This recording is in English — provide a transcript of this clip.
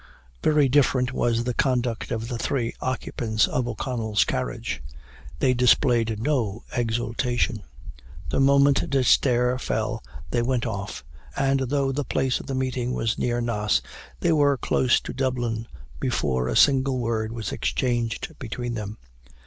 Very different was the conduct of the three occupants of O'Connell's carriage. They displayed no exultation. The moment D'Esterre fell they went off; and though the place of meeting was near Naas, they were close to Dublin before a single word was exchanged between them.